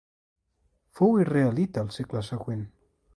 Fou israelita al segle següent.